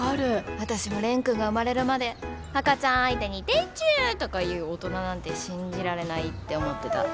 私も蓮くんが生まれるまで赤ちゃん相手に「でちゅ」とか言う大人なんて信じられないって思ってた。